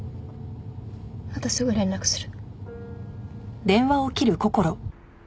またすぐ連絡する。